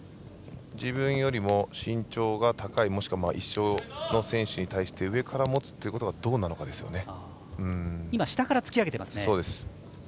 自分よりも身長が高いもしくは一緒の選手に対して上から持つということがどうなのかですよね。